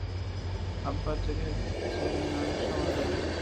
আব্বার তৈরি হতে অনেক সময় লাগে।